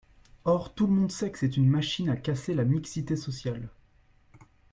Or tout le monde sait que c’est une machine à casser la mixité sociale.